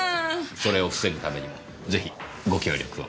それを防ぐためにもぜひご協力を。